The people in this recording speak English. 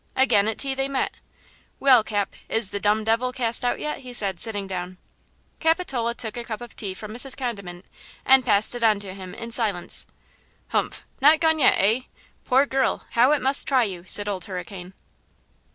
Again at tea they met. "Well, Cap is 'the dumb devil' cast out yet?" he said, sitting down. Capitola took a cup of tea from Mrs. Condiment and passed it on to him in silence. "Humph! not gone yet, eh? Poor girl, how it must try you," said Old Hurricane.